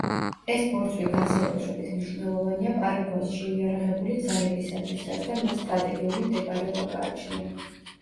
ეს ბორცვი განსაკუთრებით მნიშვნელოვანია პარაგვაის შეიარაღებული ძალებისათვის, რადგან მას სტრატეგიული მდებარეობა გააჩნია.